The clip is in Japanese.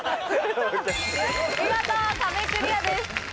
見事壁クリアです。